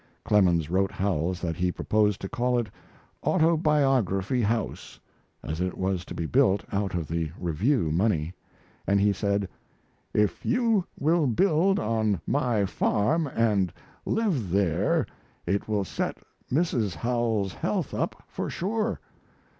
Clemens wrote Howells that he proposed to call it "Autobiography House," as it was to be built out of the Review money, and he said: "If you will build on my farm and live there it will set Mrs. Howells's health up for sure.